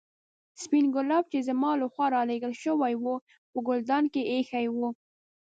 سپين ګلاب چې زما له خوا رالېږل شوي وو په ګلدان کې ایښي وو.